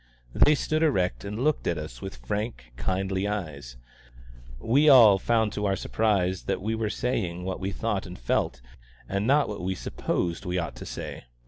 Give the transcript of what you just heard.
They stood erect and looked at us with frank, kindly eyes; we all found to our surprise that we were saying what we thought and felt, and not what we supposed we ought to say.